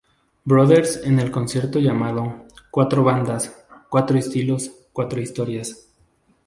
Brothers en el concierto llamado "Cuatro bandas, Cuatro estilos, Cuatro historias.